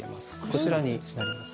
こちらになります。